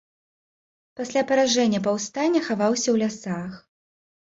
Пасля паражэння паўстання хаваўся ў лясах.